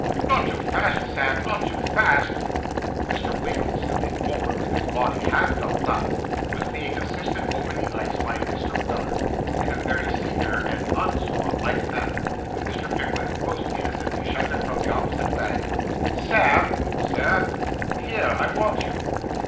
Not too fast, Sam; not too fast.' Mr. Winkle, stooping forward, with his body half doubled up, was being assisted over the ice by Mr. Weller, in a very singular and un swan like manner, when Mr. Pickwick most innocently shouted from the opposite bank 'Sam!' 'Sir?' 'Here. I want you.